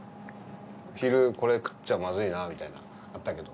昼これ食っちゃまずいなみたいなあったけど。